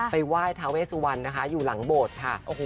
ไปไหว้ทาเวสุวรรณนะคะอยู่หลังโบสถ์ค่ะ